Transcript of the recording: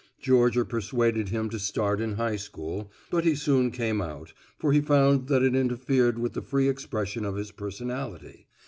Georgia persuaded him to start in high school, but he soon came out, for he found that it interfered with the free expression of his personality.